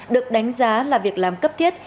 được đánh giá là việc làm cấp thiết